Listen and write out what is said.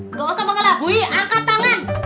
nggak usah mengelabui angkat tangan